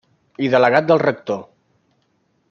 I delegat del rector.